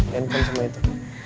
telepon semua itu